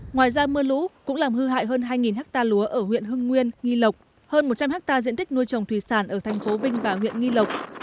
ngoài ra mưa lũ cũng làm hư hại hơn hai ha lúa ở huyện hưng nguyên nghi lộc hơn một trăm linh hectare diện tích nuôi trồng thủy sản ở thành phố vinh và huyện nghi lộc